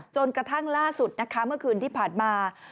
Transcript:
จนกระทั่งล่าสุดนะคะเมื่อคืนที่ผ่านมา